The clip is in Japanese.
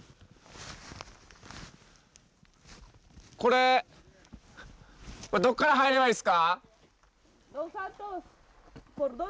これどこから入ればいいですか？